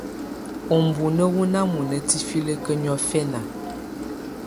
Ubunǝ́ wù nà mɔ̀na tifilǝ́kǝ́ niɔ̀fɛna.